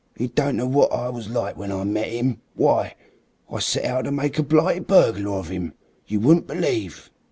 'E don't know what I was like when I met 'im. Why, I set out to make a blighted burglar of 'im you wouldn't believe!"